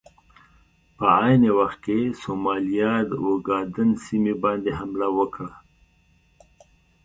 په عین وخت کې سومالیا د اوګادن سیمې باندې حمله وکړه.